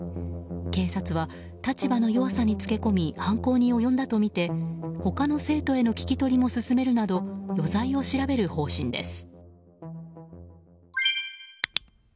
警察は立場の弱さにつけ込み犯行に及んだとみて他の生徒への聞き取りも進めるなど余罪を調べる方針です。